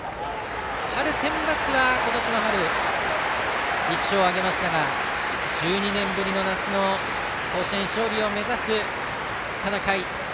春センバツは今年の春、１勝を挙げましたが１２年ぶりの夏の甲子園での勝利を目指す戦い。